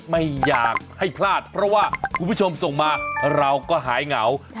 ไม่อยากให้พลาดเพราะว่าคุณผู้ชมส่งมาเราก็หายเหงา